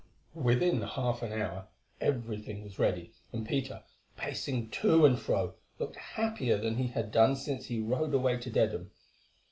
Within half an hour everything was ready, and Peter, pacing to and fro, looked happier than he had done since he rode away to Dedham.